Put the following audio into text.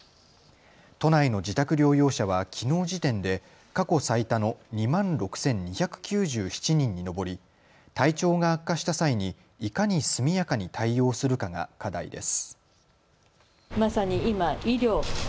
都内の自宅療養者はきのう時点で過去最多の２万６２９７人に上り、体調が悪化した際にいかに速やかに対応するかが課題です。